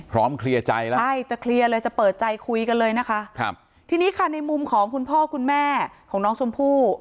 เคลียร์ใจแล้วใช่จะเคลียร์เลยจะเปิดใจคุยกันเลยนะคะครับทีนี้ค่ะในมุมของคุณพ่อคุณแม่ของน้องชมพู่